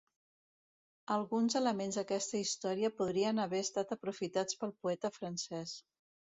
Alguns elements d'aquesta història podrien haver estat aprofitats pel poeta francès.